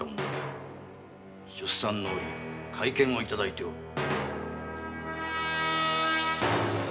出産のおり懐剣を頂いておる。